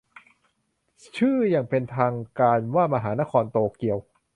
ชื่ออย่างเป็นทางการว่ามหานครโตเกียว